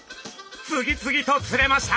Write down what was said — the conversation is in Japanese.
次々と釣れました。